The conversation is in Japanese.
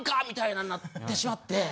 みたいなんなってしまって。